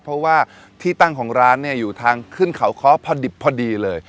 เพราะว่าที่ตั้งของร้านเนี่ยอยู่ทางขึ้นเขาเคาะพอดิบพอดีเลย